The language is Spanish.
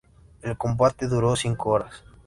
El combate duró cinco horas.